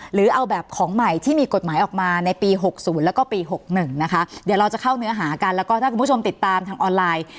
หรือเอาแบบของใหม่ที่มีกฎหมายออกมาในปีหกศูนย์แล้วก็ปี๖๑นะคะเดี๋ยวเราจะเข้าเนื้อหากันแล้วก็ถ้าคุณผู้ชมติดตามทางออนไลน์